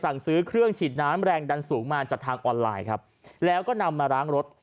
สั่งซื้อเครื่องฉีดน้ำแรงดันสูงมาจากทางออนไลน์ครับแล้วก็นำมาล้างรถ